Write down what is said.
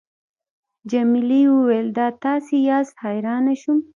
جميلې وويل:: دا تاسي یاست، حیرانه شوم.